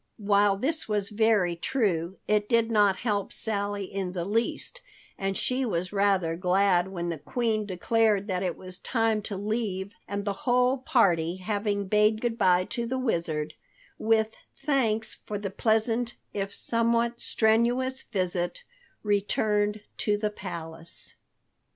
While this was very true, it did not help Sally in the least, and she was rather glad when the Queen declared that it was time to leave, and the whole party, having bade good bye to the Wizard, with thanks for the pleasant if somewhat strenuous visit, returned to the palace.